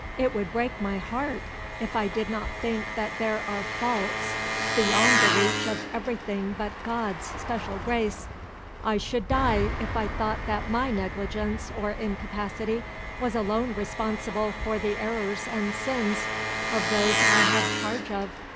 It would break my heart, if I did not think that there are faults beyond the reach of everything but God's special grace. I should die, if I thought that my negligence or incapacity was alone responsible for the errors and sins of those I have charge of.